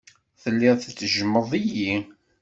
Telliḍ tettejjmeḍ-iyi.